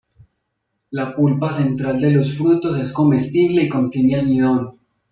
La pulpa central de los frutos es comestible y contiene almidón.